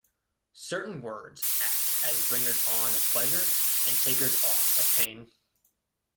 Certain words act as bringers-on of pleasure and takers-off of pain.